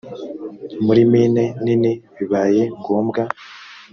muri mine nini bibaye ngombwa